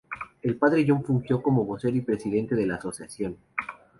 El padre Jon fungió como vocero y presidente de la Asociación.